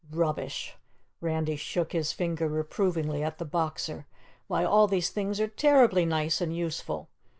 "Rubbish!" Randy shook his finger reprovingly at the Boxer. "Why, all these things are terribly nice and useful.